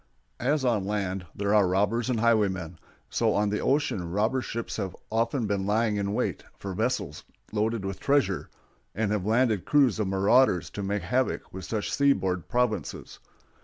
As on land there are robbers and highwaymen, so on the ocean robber ships have often been lying in wait for vessels loaded with treasure, and have landed crews of marauders to make havoc with rich seaboard provinces.